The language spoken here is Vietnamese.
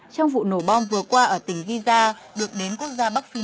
trong vụ nổ bom vừa qua ở tỉnh giza được đến quốc gia bắc phi